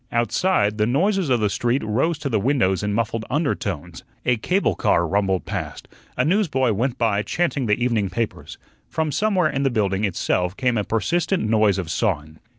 Outside the noises of the street rose to the windows in muffled undertones, a cable car rumbled past, a newsboy went by chanting the evening papers; from somewhere in the building itself came a persistent noise of sawing.